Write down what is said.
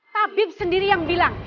tabib sendiri yang bilang